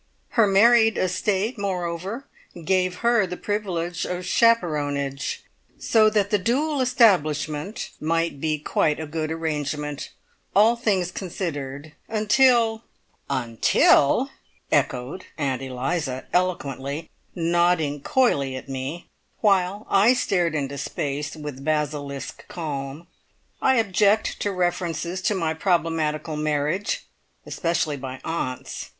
Her married estate, moreover, gave her the privilege of chaperonage, so that the dual establishment might be quite a good arrangement, all things considered, "until " "Until!" echoed Aunt Eliza eloquently, nodding coyly at me, while I stared into space with basilisk calm. I object to references to my problematical marriage especially by aunts.